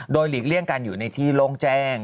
โดยหลีกเลี่ยงการอยู่ในที่โล่งแจ้ง